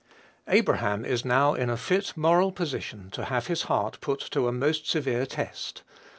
Abraham is now in a fit moral position to have his heart put to a most severe test.